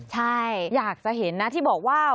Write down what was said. ใช่อยากจะเห็นนะที่บอกว่า